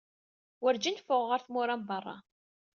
Werǧin ffɣeɣ ɣer tmura n berra.